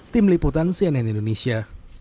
tim liputan cnn indonesia